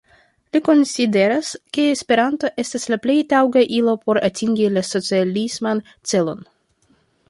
Li konsideras, ke Esperanto estas la plej taŭga ilo por atingi la socialisman celon.